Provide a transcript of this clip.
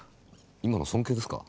今の尊敬ですか？